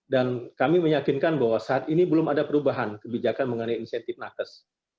dan kami meyakinkan bahwa saat ini belum ada perubahan kebijakan mengenai insentif nakes